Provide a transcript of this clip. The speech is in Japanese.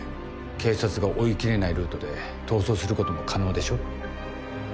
警察が追い切れないルートで逃走することも可能でしょ。